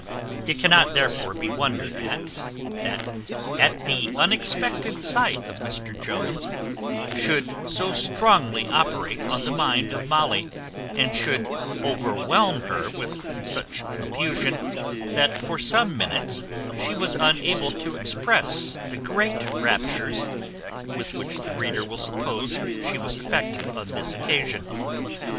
It cannot therefore be wondered at, that the unexpected sight of Mr Jones should so strongly operate on the mind of Molly, and should overwhelm her with such confusion, that for some minutes she was unable to express the great raptures, with which the reader will suppose she was affected on this occasion.